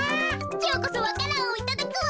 きょうこそわか蘭をいただくわ。